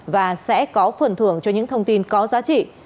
và sẽ có phần thưởng cho những thông tin có giá trị